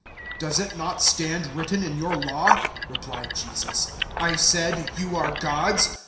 010:034 "Does it not stand written in your Law," replied Jesus, "`I said, you are gods'?